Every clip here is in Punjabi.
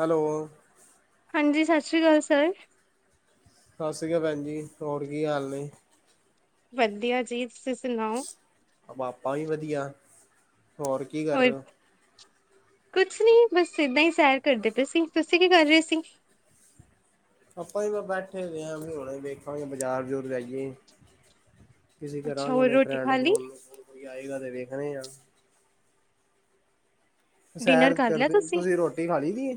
ਹਲੋਅ। ਹਾਂਜੀ ਸ਼ਾਸ਼ਰੀਕਾਲ ਸਰ। ਸਾਸਰਰੀਆਕਾਲ ਭੈਣ ਜੀ ਹੋਰ ਕੀ ਹਾਲ ਨੇ। ਵਧੀਆ ਜੀ ਤੁਸੀਂ ਸੁਣਾਓ। ਆਪਾਂ ਵੀ ਵਧੀਆ ਹੋਰ ਕੀ ਕਰ ਹੋਰ ਰਏ ਓਂ। ਕੁਛ ਨੀ ਬਸ ਏਦਾਂ ਈ ਸੈਰ ਕਰਦੇ ਪਏ ਸੀ ਤੁਸੀਂ ਕੀ ਕਰ ਰਹੇ ਸੀ। ਆਪਾਂ ਵੀ ਬੈਠੇ ਹੋ ਹਾਂ ਹੁਣ ਵੇਖ ਬਾਜ਼ਾਰ ਬਜੂਰ ਜਾਈਏ ਤੁਸੀਂ ਅੱਛਾ ਹੋਰ ਕਰਾਂਗੇਣੇ ਰੋਟੀ ਫਰੈਂਡ ਖਾ ਫਰੂ ਲਈ ਕੋਈ ਆਏਗਾ ਤੇ ਵੇਖਣੇ ਆ। ਡਿਨਰ ਸੈਰ ਕਰ ਕਰਦੇ ਤੁਸੀਂ ਰੋਟੀ ਖਾ ਲਈ ਦੀ ਏ।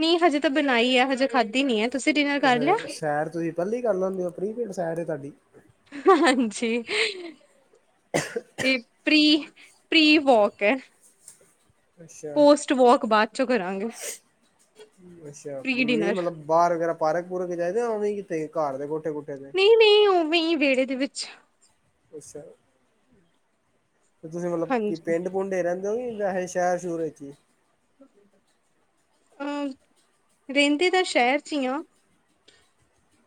ਨੀ ਹਜੇ ਤਾਂ ਬਣਾਈ ਐ ਹਜੇ ਖਾਧੀ ਨੀ ਐ। ਤੇ ਫਿਰ ਸੈਰ ਤੁਸੀਂ ਪਹਿਲੀ ਕਰ ਲੈਂਦੇ ਹੋ ਪ੍ਰੀਪੇਡ ਸੈਰ ਏ ਤੁਹਾਡੀ। ਹੰ-ਹੰ ਹਾਂਜੀ। ਇਹ ਪ੍ਰੀ-ਪ੍ਰੀ ਵੌਕ ਐ। ਬਾਅਦ ਚੋਂ ਕਰਾਂਗੇ ਅੱਛਾ-ਅੱਛਾ ਪ੍ਰੀ ਨਹੀਂ ਡਿਨਰ ਮਤਲਬ ਬਾਹਰ ਵਗੈਰਾ ਪਾਰਕ ਪੂਰਕ ਚ ਆਯਦੇ ਜਾਂ ਉਹਵੇਂ ਕਿਤੇ ਘਰ ਦੇ ਕੋੋਠੇ ਕੁਠੇ ਤੇ ਨਹੀਂ ਨਹੀਂ ਉਵੇਂ ਈ ਵਿਹੜੇ ਦੇ ਵਿੱਚ। ਅੱਛਾ ਤੁਸੀਂ ਮਤਲਬ ਕੀ ਹਾਂਜੀ ਪਿੰਡ ਪੂਂਡ ਰਹਿੰਦ ਉਵੀ ਵਹੇ ਸੀ ਸ਼ਹਿਰ ਸੂਰ ਵਿੱਚ ਹੀ ਹੂੰ ਰਹਿੰਦੀ ਤਾਂ ਸ਼ਹਿਰ 'ਚ ਹੀ ਆ।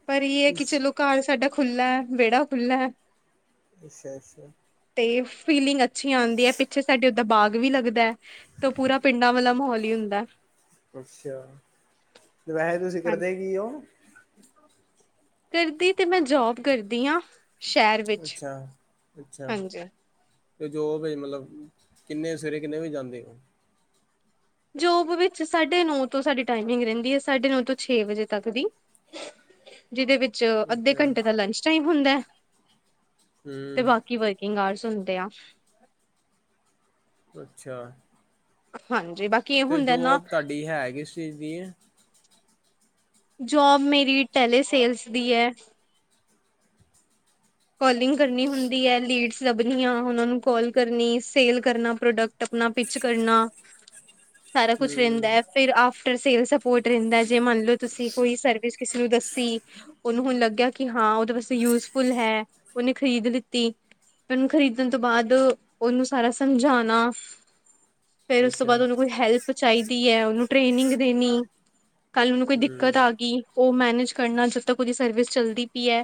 ਪਰ ਇਹ ਹੈ ਹੀ ਕਿ ਚਲੋ ਘਰ ਸਾਡਾ ਖੁੱਲ੍ਹਾ ਹੈ ਵਿਹੜਾ ਖੁੱਲ੍ਹਾ ਹੈ। ਅੱਛਾ-ਅੱਛਾ ਤੇ ਫੀਲਿੰਗ ਅੱਛੀ ਆਂਦੀ ਹੈ ਪਿੱਛੇ ਸਾਡੇ ਓਦਾਂ ਬਾਗ ਵੀ ਲੱਗਦਾ। ਤੋਂ ਪੂਰਾ ਪਿੰਡਾਂ ਵਾਲਾ ਮਾਹੌਲ ਹੀ ਹੁੰਦਾ। ਅੱਛਾ ਤੇ ਵੈਹੇ ਤੁਸੀਂ ਹਾਂ ਕਰਦੇ ਕੀ ਹੋ। ਕਰਦੀ ਤੇ ਮੈਂ ਜੋਬ ਕਰਦੀ ਆਂ ਸ਼ਹਿਰ ਵਿੱਚ ਅੱਛਾ-ਅੱਛਾ ਹਾਂਜੀ। ਤੇ ਜੋ ਵੇ ਮਤਲਬ ਕਿੰਨੇ ਸਵੇਰੇ ਕਿੰਨੇ ਵੀ ਜਾਂਦੇ ਹੋ। ਜੋਬ ਵਿੱਚ ਸਾਢੇ ਨੌ ਤੋਂ ਸਾਡੀ ਟਾਈਮਿੰਗ ਰਹਿੰਦੀ ਹੈ ਸਾਢੇ ਨੌ ਤੋਂ ਛੇ ਵਜੇ ਤੱਕ ਦੀ। ਜਿਹਦੇ ਵਿੱਚ 'ਚ ਅੱਧੇ ਅੱਛਾ ਘੰਟੇ ਦਾ ਲੰਚ ਟਾਈਮ ਹੁੰਦਾ ਹੈ ਤੇ ਹਮ ਬਾਕੀ ਵ [inaudible] ਅੱਛਾ ਹਾਂਜੀ ਬਾਕੀ ਇਹ ਤੇ ਹੁੰਦਾ ਜੋ ਨਾ ਤੁਹਾਡੀ ਹੈਗੀ ਇਸ ਚੀਜ਼ ਦੀ ਏ। ਜੋਬ ਮੇਰੀ ਟੈਲੇ ਸੇਲਸ ਦੀ ਹੈ। ਕੋਲਿੰਗ ਕਰਨੀ ਹੁੰਦੀ ਹੈ ਲੀਡਸ ਲੱਭਣੀਆਂ ਉਹਨਾਂ ਨੂੰ ਕਾਲ ਕਰਨੀ ਸੇਲ ਕਰਨਾ ਪ੍ਰੋਡਕਟ ਟਪਣਾ ਪਿਚ ਕਰਨਾ ਸਾਰਾ ਕੁਛ ਹਮ ਰਹਿੰਦਾ। ਫਿਰ ਆਫਟਰ ਸੇਲ ਸਪੋਰਟ ਰਹਿੰਦਾ ਜੇ ਮੰਨ ਲਓ ਤੁਸੀਂ ਕੋਈ ਸਰਵਿਸ ਕਿਸੇ ਨੂੰ ਦੱਸੀ। ਓਨੂੰ ਹੁਣ ਲੱਗਿਆ ਕਿ ਹਾਂ ਓਹਦੇ ਵਾਸਤੇ ਯੂਜਫੁਲ ਹੈ ਓਹਨੇ ਖਰੀਦ ਲਿਤੀ। ਉਹਨੂੰ ਖਰੀਦਣ ਤੋਂ ਬਾਅਦ ਉਹਨੂੰ ਸਾਰਾ ਸਮਝਾਣਾ। ਫਿਰ ਉਸ ਤੋਂ ਬਾਅਦ ਅੱਛਾ ਉਹਨੂੰ ਕੋਈ ਹੈਲਪ ਚਾਹੀਦੀ ਹੈ ਉਹਨੂੰ ਟ੍ਰੇਨਿੰਗ ਦੇਣੀ। ਕੱਲ ਉਹਨੂੰ ਕੋਈ ਹਮ ਦਿੱਕਤ ਆ ਗਈ ਉਹ ਮੈਨੇਜ ਕਰਨਾ ਜਦ ਤੱਕ ਉਹਦੀ ਸਰਵਿਸ ਚਲਦੀ ਪਈ ਹੈ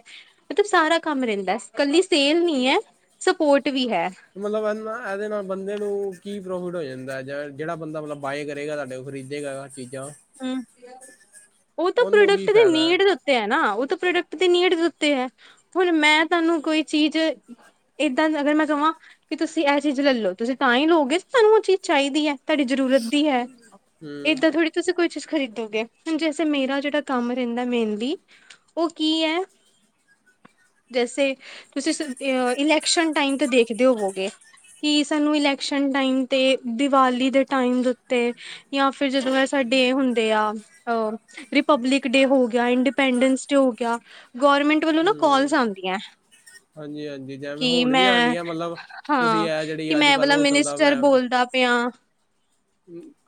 ਮਤਲਬ ਸਾਰਾ ਕੰਮ ਰਹਿੰਦਾ ਇਕੱਲੀ ਸੇਲ ਨੀ ਹੈ ਸਪੋਰਟ ਵੀ ਹੈ। ਮਤਲਬ ਨਾ ਇਹਦੇ ਨਾਲ ਬੰਦੇ ਨੂੰ ਕੀ ਪ੍ਰੋਫਿਟ ਹੋ ਜਾਂਦਾ ਜਾ ਜਿਹੜਾ ਬੰਦਾ ਮਤਲਬ ਬਾਏ ਕਰੇਗਾ ਤੁਡੇ ਉਹ ਖਰੀਦੇਗਾ ਚੀਜ਼ਾਂ ਹਮ ਉਹ ਤਾਂ ਉਹਨੂੰ ਕੀ ਪ੍ਰੋਡਕਟ ਦੀ ਫਾਇਦਾ ਨੀਡ ਹੈ ਨਾ ਉਹ ਤਾਂ ਪ੍ਰੋਡਕਟ ਦੀ ਨੀਡ ਉੱਤੇ ਹੈ ਹੁਣ ਮੈਂ ਤੁਹਾਨੂੰ ਕੋਈ ਚੀਜ਼ ਇਦਾ ਅਗਰ ਮੈਂ ਕਵਾ ਕਿ ਤੁਸੀਂ ਇਹ ਚੀਜ਼ ਲੈਲੋ ਤੁਸੀਂ ਤਾਂ ਹੀ ਲਓਗੇ ਤੁ ਸਾਨੂੰ ਉਹ ਚੀਜ਼ ਚਾਹੀਦੀ ਹੈ ਤੁਹਾਡੀ ਜ਼ਰੂਰਤ ਦੀ ਹੈ। ਹਮ ਏਦਾਂ ਥੋੜੀ ਤੁਸੀਂ ਕੋਈ ਚੀਜ਼ ਖਰੀਦੋਗੇ ਹੁਣ ਜੈਸੇ ਮੇਰਾ ਜਿਹੜਾ ਕੰਮ ਰਹਿੰਦਾ ਮੇਨਲੀ ਉਹ ਕੀ ਹੈ। ਜੈਸੇ ਤੁਸੀਂ ਇਲੈਕਸ਼ਨ ਟਾਈਮ ਤੇ ਦੇਖਦੇ ਹੋਵੋਗੇ ਕਿ ਸਾਨੂੰ ਇਲੈਕਸ਼ਨ ਟਾਈਮ 'ਤੇ ਦੀਵਾਲੀ ਦੇ ਟਾਈਮ ਦੇ ਉੱਤੇ ਜਾਂ ਫਿਰ ਜਦੋਂ ਸਾਡੇ ਹੁੰਦੇ ਆ ਅ ਰਿਪਬਲਿਕ ਡੇ ਹੋ ਗਿਆ ਇੰਡੀਪੈਂਡੈਂਸ ਡੇ ਹੋ ਗਿਆ ਗਵਰਮੈਂਟ ਵੱਲੋਂ ਨਾ ਕੋਲਸ ਹਮ ਆਨ ਦੀਆ ਹਾਂਜੀ ਹਾਂਜੀ ਜਿਵੇਂ ਕਿ ਹੁਣ ਵੀ ਮੈਂ ਆਉਂਦੀਆਂ ਮਤਲਬ ਤੁਸੀਂ ਹਾਂ ਇਹ ਕਿ ਜਿਹੜੀ ਅੱਜ ਮੈਂ ਕੱਲ੍ਹ ਵਾਲਾ ਉਹ ਚੱਲਦਾ ਮਿਨਿਸਟਰ ਬੋਲਦਾ ਪਿਆ ਹਮ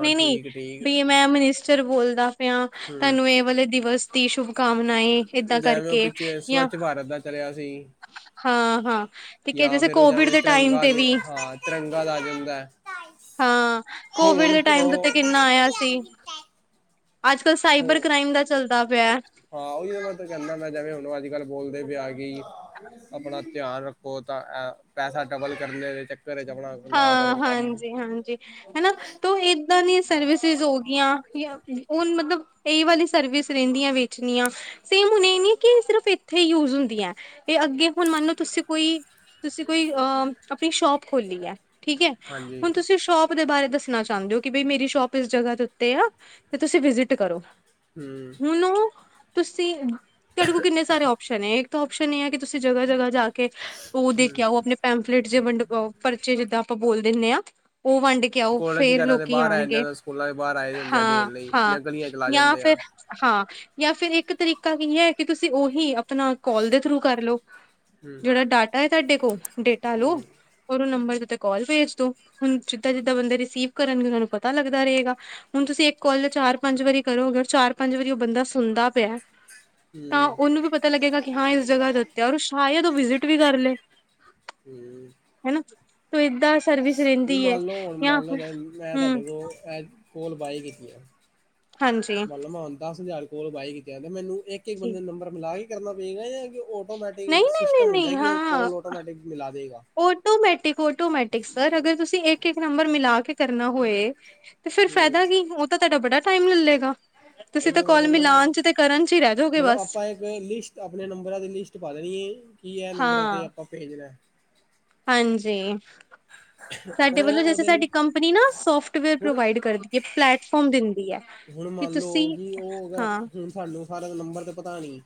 ਨਹੀਂ ਨਹੀਂ ਵੀ ਮੈਂ ਮਨਿਸਟਰ ਬੋਲਦਾ ਪਿਆ ਹਮ ਤੁਹਾਨੂੰ ਇਹ ਵਾਲੇ ਦਿਵਸ ਦੀ ਸ਼ੁਭ ਕਾਮਨਾਏ ਏਦਾਂ ਕਰਕੇ ਜਾਂ ਤਰਿਆ ਸੀ। ਹਾਂ ਹਾਂ ਠੀਕ ਹੈ ਜਾਂ ਜੈਸੇ ਫਿਰ ਉਹ ਕੋਵਿਡ ਜਾਵੇ ਦੇ ਟਾਈਮ ਤਿਰੰਗਾ ਤੇ ਦੇ ਵੀ ਹਾਂ ਤਿਰੰਗਾ ਦਾ ਜਾਂਦਾ ਹੈ। ਹਾਂ ਕੋਵਿਡ ਹੁਣ ਦੇ ਟਾਈਮ ਤੋਂ ਉਹ ਤੇ ਕਿੰਨਾ ਆਇਆ ਸੀ ਅੱਜ ਕੱਲ ਸਾਈਬਰ ਹੁਣ ਕ੍ਰਾਈਮ ਦਾ ਚੱਲਦਾ ਪਿਆ ਹਾਂ ਉਹੀ ਤਾਂ ਮੈਂ ਤਾਂ ਕਹਿੰਦਾ ਮੈਂ ਜਿਵੇਂ ਹੁਣ ਅੱਜ ਕੱਲ੍ਹ ਬੋਲਦੇ ਵੀ ਆ ਗਈ। ਆਪਣਾ ਧਿਆਨ ਰੱਖੋ ਤਾਂ ਪੈਸਾ ਡਬਲ ਕਰਨ ਦੇ ਚੱਕਰ ਚ ਆਪਣਾ ਨਾ ਹਾਂ ਕਰੋ ਕੰਮ ਹਾਂਜੀ ਹਾਂਜੀ ਹਨਾ ਤੋ ਇਦਾ ਦੀ ਸਰਵਿਸਿਸ ਹੋ ਗਿਆ ਹੁਣ ਮਤਲਬ ਇਹ ਵਾਲੀ ਸਰਵਿਸ ਰਹਿੰਦੀ ਆ ਵੇਚਣੀ ਆ ਸੇਮ ਹੁਣ ਇਹ ਨੀ ਕਿ ਸਿਰਫ਼ ਇੱਥੇ ਯੂਜ ਹੁੰਦੀ ਹੈ ਤੇ ਅੱਗੇ ਹੁਣ ਮੰਨੋ ਤੁਸੀਂ ਕੋਈ ਤੁਸੀਂ ਕੋਈ ਅਹ ਆਪਣੀ ਸ਼ੋਪ ਖੋਲੀ ਹੈ ਠੀਕ ਹੈ ਹਾਂਜੀ ਹੁਣ ਤੁਸੀਂ ਸ਼ੋਪ ਦੇ ਬਾਰੇ ਦੱਸਣਾ ਚਾਹੁੰਦੇ ਹੋ ਕਿ ਬੀ ਮੇਰੀ ਸ਼ੋਪ ਇਸ ਜਗ੍ਹਾ ਦੇ ਉੱਤੇ ਆ ਤੇ ਤੁਸੀਂ ਵਿਜਿਟ ਕਰੋ ਹਮ ਹੁ ਤੁਸੀਂ ਤੁਹਾਡੇ ਕੋਲ ਕਿੰਨੇ ਸਾਰੇ ਆਪਓਪਸ਼ਨ ਨੇ ਇੱਕ ਤਾਂ ਓਪਸ਼ਨ ਇਹ ਹੈ ਕਿ ਤੁਸੀਂ ਜਗ੍ਹਾ ਜਗ੍ਹਾ ਜਾ ਉਹ ਹਮ ਦੇਖਿਆ ਉਹ ਆਪਣੇ ਪੈਫਲੇਟ ਜੇ ਵੰਡ ਪਰਚੇ ਜਿੱਦਾਂ ਆਪਾਂ ਬੋਲ ਦਿੰਦੇ ਹਾਂ ਉਹ ਵੰਡ ਕੇ ਕਿ ਉਹ ਕਾਲਜ ਫੇਰ ਵਗੈਰਾ ਦੇ ਲੋਕੀ ਬਾਹਰ ਆ ਆਉਣਗੇ ਜਾਂਦੇ ਸਕੂਲਾਂ ਦੇ ਬਾਹਰ ਆਏ ਹੁੰਦੇ ਆ ਹਾਂ ਦੇਣ ਲਈ ਹਾਂ ਜਾਂ ਗਲੀਆਂ ਚਲਾ ਯਾ ਜਾਂਦੇ ਆ ਫਿਰ ਹਾਂ ਜਾਂ ਫੇਰ ਇੱਕ ਤਰੀਕਾ ਕੀ ਹੈ ਕਿ ਤੁਸੀਂ ਉਹੀ ਆਪਣਾ ਕਾਲ ਦੇ ਥਰੂ ਕਰਲੋ ਹੂੰ ਜਿਹੜਾ ਡਾਟਾ ਹੈ ਤੁਹਾਡੇ ਕੋਲ ਡੇਟਾ ਹੂੰ ਲਓ ਔਰ ਉਹ ਨੰਬਰ ਉੱਤੇ ਕਾਲ ਭੇਜ ਦੋ ਹੁਣ ਜਿੱਦਾਂ ਜਿੱਦਾਂ ਬੰਦੇ ਰਿਸੀਵ ਕਰਨਗੇ ਉਹਨਾਂ ਨੂੰ ਪਤਾ ਲੱਗਦਾ ਰਹੇਗਾ ਹੁਣ ਤੁਸੀਂ ਇੱਕ ਕਲ ਚਾਰ ਪੰਜ ਵਾਰੀ ਕਰੋ ਅਗਰ ਚਾਰ ਪੰਜ ਵਾਰੀ ਉਹ ਬੰਦਾ ਸੁਣਦਾ ਪਿਆ ਤਾਂ ਹੂੰ ਉਹਨੂੰ ਵੀ ਪਤਾ ਲੱਗੇਗਾ ਕਿ ਹਾਂ ਇਸ ਜਗ੍ਹਾ ਉਤੇਆ ਓਰ ਸ਼ਾਇਦ ਉਹ ਵਿਜਿਟ ਵੀ ਕਰ ਲਏ ਹਮ ਹਨਾ ਤੂੰ ਏਦਾਂ ਸਰਵਿਸ ਨਹੀਂ ਰਹਿੰਦੀ ਹੈ ਮੰਨ ਲਓ ਹੁਣ ਜਾਂ ਮੰਨ ਲੋ ਫਿਰ ਮੈਂ ਹਮ ਤੁਹਾਡੇ ਕੋਲ ਕੋਲ ਬਾਈ ਕੀਤੀ ਆ ਹਾਂਜੀ। ਮੰਨਲਓ ਮੈਂ ਹੁਣ ਦਸ ਹਜ਼ਾਰ ਕੋਲ ਬਾਏ ਕੀਤਾ ਤੇ ਮੈਨੂੰ ਇੱਕ ਇੱਕ ਬੰਦੇ ਨੂੰ ਨੰਬਰ ਮਿਲਾ ਕੇ ਕਰਨਾ ਪਏਗਾ ਆਟੋਮੈਟਿਕ ਸਿਸਟਮ ਹੁੰਦਾ ਹੈ ਨਹੀਂ-ਨਹੀਂ-ਨਹੀਂ-ਨਹੀਂ ਕਿ ਉਹ ਕੋਲ ਆਟੋਮੈਟਿਕ ਮਿਲਾ ਦੇਵੇਗਾ ਓਟੋਮੈਟਿਕ ਓਟੋਮੈਟਿਕ ਸਰ ਅਗਰ ਤੁਸੀਂ ਇੱਕ ਇੱਕ ਨੰਬਰ ਮਿਲਾ ਕੇ ਕਰਨਾ ਹੋਏ ਤੇ ਫੇਰ ਹੂੰ ਫਾਇਦਾ ਕੀ ਉਹ ਤਾਂ ਤੁਹਾਡਾ ਬੜਾ ਟਾਈਮ ਲੱਲੇਗਾ ਉਹੀ ਉ ਮੈ ਕਹਿਣਾ ਵਾ [unintelligible] ਮਤਲਬ ਆਪਾਂ ਇੱਕ ਲਿਸਟ ਆਪਣੇ ਨੰਬਰਾਂ ਦੀ ਲਿਸਟ ਪਾ ਦੇਣੀ ਹੈ ਕੀ ਇਹ ਨੰਬਰਾਂ ਹਾਂ ਤੇ [unintelligible] ਹਾਂਜੀ। ਪਰ ਸਾਡੇ ਵੱਲੋਂ ਉਹ ਜੈਸੇ ਉਹਦੇ ਲਈ ਸਾਡੀ ਕੰਪਨੀ ਨਾ ਸੋਫਟਵੇਅਰ ਹੁਣ ਪ੍ਰੋਵਾਈਡ ਕਰਦੀ ਹੈ ਪਲੈਟਫੋਮ ਦਿੰਦੀ ਹੈ। ਹੁਣ ਕਿ ਮੰਨ ਤੁਸੀਂ ਲਓ ਕਿ ਉਹ ਅਗਰ ਹਾਂ ਹੁਣ ਸਾਨੂੰ ਸਾਰਾ ਨੰਬਰ ਤੇ ਪਤਾ ਨਹੀ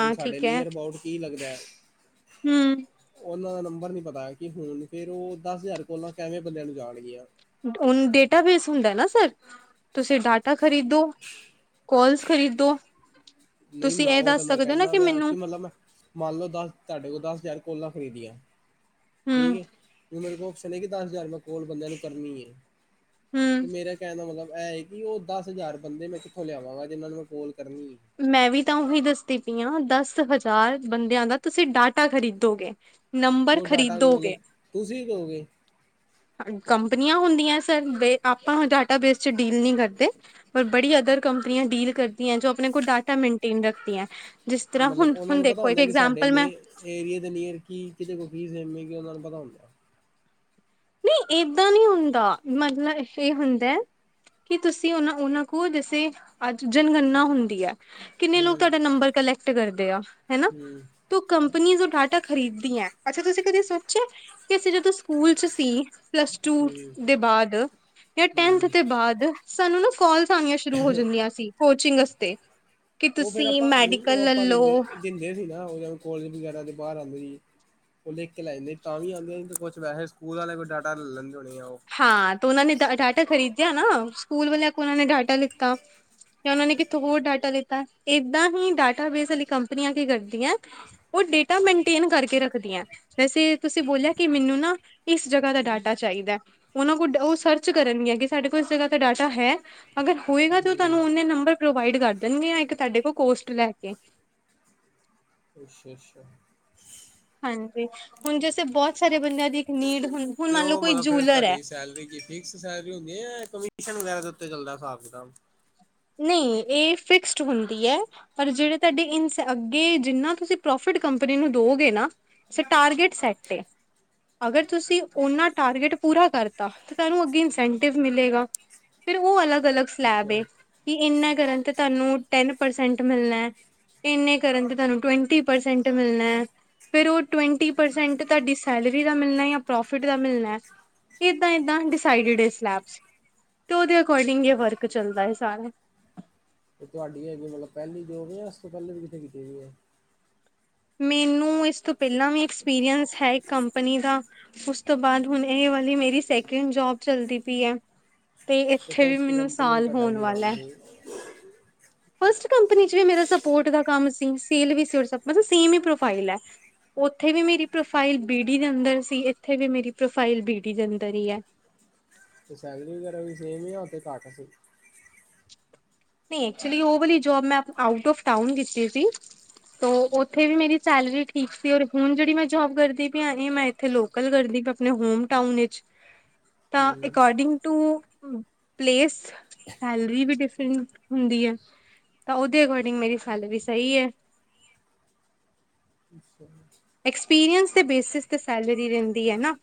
ਹੁਣ ਸਾਡੇ ਠੀਕ ਹੈ ਨੀਅਰ ਅਬਾਊਟ ਕੀ ਲੱਗਦਾ ਹੈ। ਹਮ ਉਹਨਾਂ ਦਾ ਨੰਬਰ ਨੀ ਪਤਾ ਕਿ ਹੁਣ ਫੇਰ ਉਹ ਦਸ ਹਜ਼ਾਰ ਕੋਲ ਕਿਵੇਂ ਬੰਦਿਆਂ ਨੂੰ ਜਾਣਗੀਆਂ ਡੇਟਾ ਬੇਸ ਹੁੰਦਾ ਨਾ ਸਰ ਤੁਸੀਂ ਡਾਟਾ ਖਰੀਦੋ ਕੋਲਸ ਖਰੀਦੋ। ਨਹੀਂ ਤੁਸੀਂ ਮਾ ਇਹ ਉਹ ਤੇ ਦੱਸ ਮੈਂ ਸਕਦੇ ਹੋ ਨਾ ਕੈਂਦਾ ਵੀ ਮੈਨੂੰ ਕਿ ਮਤਲ ਮੈਂ ਮੰਨ ਲਓ ਦਸ ਤੁਹਾਡੇ ਕੋਲ ਦਸ ਹਜ਼ਾਰ ਕੋਲਾ ਖਰੀਦੀਆਂ ਠੀਕ ਹਮ ਹੈ ਵੀ ਮੇਰੇ ਕੋਲ ਕ ਕਿ ਦਸ ਹਜ਼ਾਰ ਰੁਪਇਆ ਕੋਲ ਬੰਦਿਆਂ ਨੂੰ ਕਰਨੀ ਹੈ ਤੇ ਹਮ ਮੇਰਾ ਕਹਿਣ ਦਾ ਮਤਲਬ ਇਹ ਵੀ ਉਹ ਦਸ ਹਜ਼ਾਰ ਬੰਦੇ ਮੈਂ ਕਿੱਥੋਂ ਲਿਆਵਾਂਗਾ ਜਿਨਾਂ ਨੂੰ ਮੈਂ ਕੋਲ ਕਰਨੀ ਮੈਂ ਵੀ ਤਾਂ ਉਹੀ ਦੱਸਦੀ ਪਈ ਹਾਂ ਦਸ ਹਜ਼ਾਰ ਬੰਦਿਆਂ ਦਾ ਤੁਸੀਂ ਡਾਟਾ ਖਰੀਦੋਗੇ ਤੇ ਨੰਬਰ ਉਹ ਡਾਟਾ ਕੀ ਖਰੀਦੋਗੇ ਮਤਲਬ ਤੁਸੀਂ ਦੋਗੇ ਕੰਪਨੀਆਂ ਹੁੰਦੀਆਂ ਸਰ ਆਪਾਂ ਡਾਟਾ ਬੇਸ ਚ ਡੀਲ ਨਹੀਂ ਕਰਦੇ ਪਰ ਬੜੀ ਅਦਰ ਕੰਪਨੀਆਂ ਡੀਲ ਕਰਦੀਆਂ ਜੋ ਆਪਣੇ ਕੋਲ ਡਾਟਾ ਮੇਨਟੇਨ ਰੱਖਦੀਆਂ ਜਿਸ ਤਰ੍ਹਾਂ ਮਤਲਬ ਹੁਣ ਉਹਨਾਂ ਹੁਣ ਨੂੰ ਪਤਾ ਦੇਖੋ ਇੱਕ ਹੁੰਦਾ ਕਿ ਸਾਡੇ ਇਗਜਾਮਪਲ ਨੇ ਮੈਂ ਏਰੀਏ ਦੇ ਨੀਅਰ ਕੀ ਕਿਤੇ ਕੋਲ ਕੀ ਸੇਮ ਹੈਗੇ ਉਹਨਾਂ ਨੂੰ ਪਤਾ ਹੁੰਦਾ ਨਹੀਂ ਏਦਾਂ ਨਹੀਂ ਹੁੰਦਾ ਮਤਲਬ ਇਹ ਹੁੰਦਾ ਕੀ ਤੁਸੀਂ ਉਹਨਾ ਉਹਨਾਂ ਕੋਲ ਜਸੇ ਅੱਜ ਜਨਗਣਨਾ ਹੁੰਦੀ ਹੈ ਕਿੰਨੇ ਲੋਕ ਹੂੰ, ਤੁਹਾਡਾ ਨੰਬਰ ਕਲੈਕਟ ਕਰਦੇ ਆ ਹਨਾ ਹੂੰ, ਤ ਕੰਪਨੀ ਡਾਟਾ ਖਰੀਦਦੀ ਹੈ ਅੱਛਾ ਤੁਸੀਂ ਕਦੇ ਸੋਚਿਆ ਕਿ ਅਸੀਂ ਜਦੋਂ ਸਕੂਲ ਚ ਸੀ ਪਲੱਸ ਟੂ ਹੂੰ, ਦੇ ਬਾਅਦ ਜਾਂ ਟੈਂਥ ਹੂੰ। ਦੇ ਬਾਅਦ ਸਾਨੂੰ ਨਾ ਕੋਲ ਆਣੀਆ ਆਂ ਸ਼ੁਰੂ ਹੋ ਜਾਂਦੀਆਂ ਸੀ ਕੋਚਿੰਗ ਵਤੇ ਉਹ ਫੇਰ ਆਪਾਂ ਨਹੀਂ ਉਹ ਆਪਾਂ ਦਿੰਦੇ ਦਿੰਦੇ ਸੀ ਨਾ ਉਹ ਜ ਕੋਲਜ ਵਗੈਰਾ ਦੇ ਬਾਹਰ ਆਂਦੇ ਸੀ। ਉਹ ਲਿਖ ਕੇ ਲੈ ਜਾਂਦੇ ਤਾਂ ਵੀ ਆਂਦੇ ਕੁਛ ਵੈਸੇ ਸਕੂਲ ਵਾਲੇ ਕੋਈ ਡਾਟਾ ਲੈ ਲੈਂਦੇ ਹੋਣੇ ਆ ਉਹ ਹਾਂ ਤੇ ਉਹਨਾਂ ਨੇ ਡਾਟਾ ਖਰੀਦਿਆ ਨਾ ਸਕੂਲ ਵਾਲਿਆਂ ਕੇ ਉਹ ਨੇ ਡਾਟਾ ਲਿੱਤਾ ਜਾਂ ਉਹਨਾ ਨੇ ਕਿੱਥੇ ਹੋਰ ਡਾਟਾ ਲਿੱਤਾ ਏਦਾਂ ਹੀ ਡਾਟਾ ਬੇਸ ਕੰਪਨੀਆਂ ਕੀ ਕਰਦੀਆਂ ਉਹ ਡੇਟਾ ਮੇਨਟੇਨ ਕਰਕੇ ਰੱਖਦੀਆਂ। ਵੈਸੇ ਤੁਸੀਂ ਬੋਲਿਆ ਕਿ ਮੈਨੂੰ ਨਾ ਇਸ ਜਗ੍ਹਾ ਦਾ ਡਾਟਾ ਚਾਹੀਦਾ ਉਹਨਾਂ ਕੋਲ ਉਹ ਸਰਚ ਕਰਨਗ ਕਿ ਸਾਡੇ ਕੋਲ ਜਗ੍ਹਾ ਦਾ ਡਾਟਾ ਹੈ। ਅਗਰ ਹੋਏਗਾ ਤੇ ਉਹ ਹੂੰ, ਤੁਹਾਨੂੰ ਨੰਬਰ ਪ੍ਰੋਵਾਈਡ ਕਰ ਦੇਣਗੇ ਇੱਕ ਤੁਹਾਡੇ ਕੋਲ ਕੋਸਟ ਲੈ ਕੇ ਅੱਛਾ ਅੱਛਾ। ਹਾਂਜੀ ਹੁਣ ਜੈਸੇ ਬੋਤ ਸਾਰੇ ਬੰਦਿਆਂ ਦੀ ਇੱਕ ਨੀਡ ਹੁਣ ਹੁਣ ਤੇ ਮੰਨ ਲਓ ਉਹ ਕੋਈ ਮਤਲਬ ਫੇਿਰ ਜੂਲਰ ਹੈ ਤੁਹਾਡੀ ਸੈਲਰੀ ਕੀਤੀ। ਫਿਕਸ ਸੈਲਰੀ ਹੁੰਦੀ ਹੈ ਕਮਿਮਸ਼ਨ ਵਗੈਰਾ ਦੇ ਉੱਤੇ ਚੱਲਦਾ ਹਿਸਾਬ ਕਿਤਾਬ ਨਹੀਂ ਇਹ ਫਿਕਸਡ ਹੁੰਦੀ ਹੈ। ਪਰ ਜਿਹੜੇ ਤੁਹਾਡੇ ਇ ਅੱਗੇ ਜਿੰਨਾ ਤੁਸੀਂ ਪ੍ਰੋਫਿਟ ਕੰਪਨੀ ਨੂੰ ਦੋਗੇ ਨਾ ਸ ਟਾਰਗੇਟ ਸੈਟ ਹੈ। ਅਗਰ ਤੁਸੀਂ ਓਨਾ ਟਾਰਗੇਟ ਪੂਰਾ ਕਰਤਾ ਤੁਹਾਨੂੰ ਅਗੇ ਇਨਸੈਂਟਿਵ ਮਿਲੇਗਾ ਫਿਰ ਉਹ ਅਲੱਗ ਅਲੱਗ ਸਲੈਬ ਅੱਛਾ ਕਿ ਇਨਾਂ ਕਰਨ ਤੇ ਤੁਹਾਨੂੰ ਟੈਨ ਪਰਸੈਂਟ ਮਿਲਣਾ ਹੈ। ਇੰਨੇ ਕਰਨ ਤੇ ਤੁਹਾਨੂੰ ਟਵੰਟੀ ਪਰਸੈਂਟ ਮਿਲਣਾ ਹੈ। ਫੇਰ ਉਹ ਟਵੰਟੀ ਪਰਸੈਂਟ ਤੁਹਾਡੀ ਸੈਲਰੀ ਦਾ ਮਿਲਣਾ ਜਾਂ ਪ੍ਰੋਫਿਟ ਦਾ ਮਿਲਣਾ ਏਦਾਂ ਏਦਾਂ ਡਿਸਾਈਡਿਡ ਏ ਸਲੈਬ ਤੇ ਓਦੇ ਅਕੋਡਿੰਗ ਵਰਕ ਚੱਲਦਾ ਹੈ। ਸਾਰਾ ਤੇ ਤੁਹਾਡੀ ਹੈਗੀ ਮਤਲਬ ਪੈਲੀ ਜੋ ਇਸ ਤੋਂ ਪੈਲੇ ਵੀ ਕਿੱਥੇ ਕੀਤੀ ਹੈ। ਮੈਨੂੰ ਇਸ ਤੋਂ ਪੈਲਾਂ ਵੀ ਐਕਸਪੀਰੀਅੰਸ ਹੈ ਕੰਪਨੀ ਦਾ ਉਸ ਤੋਂ ਬਾਅਦ ਹੁਣ ਇਹ ਵਾਲੀ ਮੇਰੀ ਸੈਕਿੰਡ ਜੋਬ ਚਲਦੀ ਪਈ ਹੈ। ਤੇ ਇੱਥੇ ਵੀ ਫਸਟ ਮੈਨੂੰ ਕੰਪਨੀ ਸਾਲ ਤੁਹਾਡਾ ਹੋਣ ਕੀ ਵਾਲਾ ਕੰਮ ਹੈ। ਸੀ ਫਸਟ ਕੰਪਨੀ ਚ ਵੀ ਮੇਰਾ ਸਪੋਟ ਦਾ ਕਮ ਸੀ ਸੇਲ ਵੀ ਸੀ ਆਰ ਸਭ ਮਤਲਬ ਸੇਮ ਹੀ ਪ੍ਰੋਫਾਈਲ ਹੈ। ਉੱਥੇ ਵੀ ਮੇਰੀ ਪ੍ਰੋਫਾਈਲ ਬੀ ਡੀ ਦੇ ਅੰਦਰ ਸੀ ਇੱਥੇ ਵੀ ਮੇਰੀ ਪ੍ਰੋਫਾਈਲ ਬੀ ਡੀ ਜ ਅੰਦਰ ਹੀ ਹੈ। ਤੇ ਸੈਲਰੀ ਵਗੈਰਾ ਵੀ ਸੇਮ ਈ ਆ ਉੱਥੇ ਘੱਟ ਸੀ। ਨੀ ਐਕਚਲੀ ਉਹ ਵਾਲੀ ਜੋਬ ਮੈਂ ਆਟ ਔਫ ਟਾਊਨ ਕੀਤੀ ਸੀ। ਤੇ ਉੱਥੇ ਵੀ ਮੇਰੀ ਸੈਲਰੀ ਠੀਕ ਸੀ ਔਰ ਹੁਣ ਜਿਹੜੀ ਮੈਂ ਜੋਬ ਕਰਦੀ ਪਈ ਆ ਇਹ ਮੈਂ, ਅਤੇ ਲੋਕਲ ਕਰਦੀ ਆਪਣੇ ਹੋਮ ਟਾਊਨ ਵਿੱਚ, ਤਾਂ ਹੂੰ ਅਕੋਡਿੰਗ ਟੂ ਪਲੇਸ, ਸੈਲਰੀ ਵੀ ਡਿਫਰੈਂਟ ਹੁੰਦੀ ਹੈ, ਤਾਂ ਉਹਦੇ ਅਕੋਡਿੰਗ ਮੇਰੀ ਸੈਲਰੀ ਸਹੀ ਹੈ। ਅੱਛਾ ਐਕਸਪੀਰਅੰਸ ਦੇ ਬੇਸਿਸ ਤੇ ਸੈਲਰੀ ਰਹਿੰਦੀ ਹੈ ਨਾ।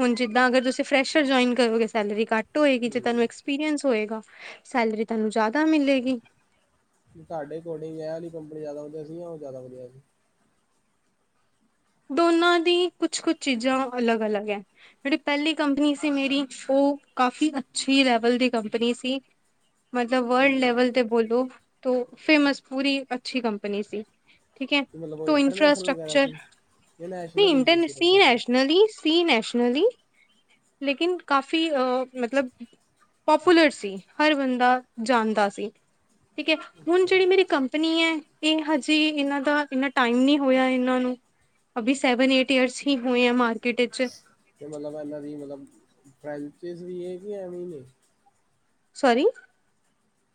ਹੁਣ ਜਿੱਦਾਂ ਅਗਰ ਤੁਸੀਂ ਫਰੈਸ਼ਰ ਜੁਇਨ ਕਰੋਗੇ ਸੈਲਰੀ ਘੱਟ ਹੋਏਗੀ ਜੇ ਹੂੰ ਤੁਹਾਨੂੰ ਐਕਸਪੀਰੀਅੰਸ ਹੋਏਗਾ, ਸੈਲਰੀ ਤੁਹਾਨੂੰ ਜ਼ਿਆਦਾ ਮਿਲੇਗੀ ਤੁਹਾਡੇ ਅਕੋਡਿੰਗ ਇਹ ਵਾਲੀ ਕੰਪਨੀ ਜ਼ਿਆਦਾ ਵਧੀਆ ਸੀ ਜਾਂ ਉਹ ਜ਼ਿਆਦਾ ਵਧੀਆ ਸੀ। ਦੋਨਾਂ ਦੀ ਕੁਛ ਕੁਛ ਚੀਜ਼ਾਂ ਅਲੱਗ ਅਲੱਗ ਆ। ਜਿਹੜੀ ਪਹਿਲੀ ਕੰਪਨੀ ਸੀ ਮੇਰੀ ਉਹ ਕਾਫ਼ੀ ਅੱਛੀ ਲੈਵਲ ਦੀ ਕੰਪਨੀ ਸੀ। ਮਤਲਬ ਵਰਲਡ ਹੂੰ ਲੈਵਲ ਤੇ ਬੋਲੋ ਤੋਂ ਫੇਮਸ ਪੂਰੀ ਅੱਛੀ ਕੰਪਨੀ ਸੀ। ਠੀਕ ਹੈ, ਤੇ ਮਤਲਬ ਉਹ ਕੋ ਇੰਟਰਨੈਸ਼ਨਲ ਵਗੈਰਾ ਇਨਫਰਾਸਟਰਕਚਰ ਸੀ ਜਾਂ ਨਹੀਂ ਨੈਸ਼ਨਲ ਹੀ ਇੰਟਰ ਸਿਰਫ ਸੀ ਸਾਡੀ ਨੈਸ਼ਨਲੀ ਸੀ ਨੈਸ਼ਨਲੀ ਲੇਕਿਨ ਕਾਫ਼ੀ ਅ ਮਤਲਬ ਪਾਪੂਲਰ ਸੀ ਹਰ ਬੰਦਾ ਜਾਣਦਾ ਸੀ। ਠੀਕ ਹੈ ਹੁਣ ਅੱਛਾ ਜਿਹੜੀ ਮੇਰੀ ਕੰਪਨੀ ਹੈ ਇਹ ਹਜੇ ਇਹਨਾਂ ਦਾ ਇੰਨਾ ਟਾਈਮ ਨਹੀਂ ਹੋਇਆ ਇਹਨਾਂ ਨੂੰ ਅਭੀ ਸੈਵਨ ਏਟ ਈਅਰਸ ਹੀ ਹੋਏ ਆ ਮਾਰਕੀਟ ਚ ਮਤਲਬ ਇਹਨਾਂ ਦੀ ਮਤਲਬ [unintelligible] ਵੀ ਇਹਨਾਂ ਦੀ ਏ, ਸੋਰੀ,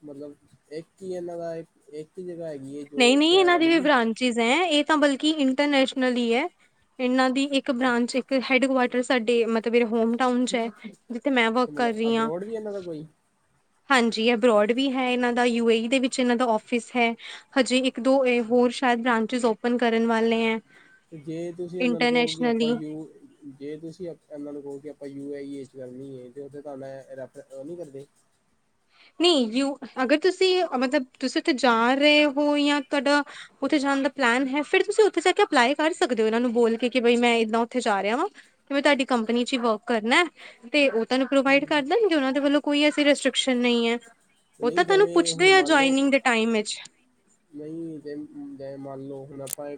ਮਤਲਬ ਇੱਕ ਹੀ ਇਹਨਾਂ ਦਾ ਇੱਕ ਹੀ ਜਗ੍ਹਾ ਹੈਗੀ ਏ। ਨਹੀਂ-ਨਹੀਂ, ਇਹਨਾਂ ਦੀ ਵੀ ਬਰਾਂਚ ਚੀਜ਼ ਹੈ ਇਹ ਤਾਂ ਬਲਕਿ ਇੰਟਰਨੈਸ਼ਨਲ ਹੀ ਹੈ ਇਹਨਾਂ ਦੀ ਇੱਕ ਬ੍ਰਾਂਚ ਇੱਕ ਹੈਡਕੁ ਸਾਡੇ ਮਤਲਬ ਹੋਮ ਟਾਊਨ ਚ ਆ ਜਿਥੇ ਮੈਂ ਵਰਕ ਤੇ ਕਰ ਮਤਲਬ ਰਹੀ ਹਾਂ। ਅਬਰੋਡ ਇਹਨਾਂ ਦਾ ਕੋਈ, ਹਾਂਜੀ ਅਬਰੋਡ ਵੀ ਹੈ ਇਹਨਾਂ ਦਾ ਯੂ ਏ ਈ ਦੇ ਵਿੱਚ ਇਹਨਾਂ ਦਾ ਔਫਿਸ ਹੈ। ਹਜੇ ਇੱਕ ਦੋ ਹੋਰ ਸ਼ਾਇਦ ਬ੍ਰਾਂਚਿਸ ਓਪਨ ਕਰਨ ਵਾਲੇ ਐ। ਜੇ ਤੁਸੀਂ ਇਹਨਾਂ ਨੂੰ ਕਹੋਗੇ ਕਿ ਆਪਾਂ ਯੂ ਜੇ ਤੁਸੀਂ ਇਹਨਾਂ ਨੂੰ ਕਹੋ ਕਿ ਆਪਾਂ ਯੂ ਆਈ ਏ ਚ ਕਰਨੀ ਏ ਤੇ ਉੱਥੇ ਤੁਹਾਡਾ ਰੱਖ ਨੀ ਕਰਦੇ, ਨਹੀ ਯ ਅਗਰ ਤੁਸੀਂ ਮਤਲਬ ਤੁਸੀਂ ਉੱਥੇ ਜਾ ਰਹੇ ਹੋ ਜਾਂ ਤੁਹਾਡਾ, ਉੱਥੇ ਜਾਣ ਦਾ ਪਲੈਨ ਹੈ, ਫਿਰ ਤੁਸੀ ਉੱਥੇ ਜਾ ਕੇ ਅਪਲਾਈ ਕਰ ਸਕਦੇ ਹੋ ਇਹਨਾਂ ਨੂੰ ਬੋਲ ਕੇ ਬਈ ਮੈਂ ਇਦਾਂ ਉੱਥੇ ਜਾ ਰਿਹਾ ਵਾਂ। ਮੈਂ ਤੁਹਾਡੀ ਕੰਪਨੀ ਚ ਹੀ ਵਰਕ ਕਰਨਾ। ਤੇ ਉਹ ਤੁਨੂੰ ਪ੍ਰੋਵਾਡ ਕਰ ਦੇਣ ਗੇ ਉਹਨਾਂ ਦੇ ਵਲੋਂ ਕੋਈ ਐਸੀ ਰਸਟ੍ਰਰਿਕਸ਼ਨ ਨੲੀ ਆ। ਤੇ ਉਹ ਨਹੀਂ ਤਾਂ ਤੁਹਾਨੂੰ ਜਿਵੇਂ ਹੁਣ ਪੁੱਛਦੇ ਆ ਮੰਨ ਲਓ ਜੁਆਇਨਿੰਗ ਦੇ ਟਾਈਮ ਵਿੱਚ, ਨਹੀਂ ਜੈ ਜੈ ਮੰਨ ਲੋ ਹੋ ਨਾ ਪਾਏ,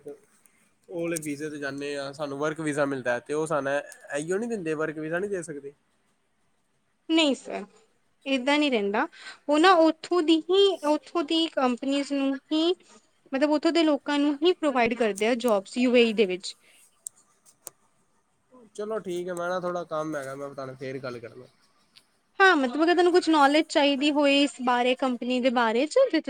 ਉਹ ਆਲੇ ਵੀਜ਼ੇ ਤੇ ਜਾਂਦੇ ਆ ਸਾਨੂੰ ਵਰਕ ਵੀਜ਼ਾ ਮਿਲਦਾ ਹੈ, ਤੇ ਉਹ ਸਾਨ ਇਹੀਓ ਨੀ ਦਿੰਦੇ ਵਰਕ ਵੀਜ਼ਾ ਨਹੀ ਦੇ ਸਕਦੇ, ਨਹੀਂ, ਏਦਾਂ ਨਹੀ ਰਹਿੰਦਾ, ਉਹ ਨਾ ਓਥੋਂ ਦੀ ਹੀ ਓਥੋਂ ਦੀ ਕੰਪਨੀ ਸੀ ਹੀ, ਮਤਲਬ ਉਥੋਂ ਦੇ ਲੋਕਾਂ ਨੂੰ ਹੀ ਪ੍ਰੋਵਾਡ ਕਰਦੇ ਆ ਜੋਬਸ ਯੂ ਈ ਦੇ ਵਿਚ, ਚਲੋ ਠੀਕ ਹੈ, ਮੈਂ ਨਾ ਥੋੜਾ ਕੰਮ ਹੈਗਾ ਮੈਂ ਤੁਹਾਡੇ ਫੇਰ ਗੱਲ ਕਰ ਲ ਹਾ ਮਤਲਬ ਕਿ ਤੁਹਾਨੂੰ ਕੁਛ ਨੌਲੇਜ ਚਾਹੀਦੀ ਹੋਈ ਇਸ ਬਾਰੇ ਕੰਪਨੀ ਦੇ ਬਾਰੇ ਚ